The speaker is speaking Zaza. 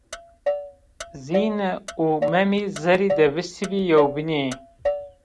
Zîne û Memî zerrî devistibî yewbînî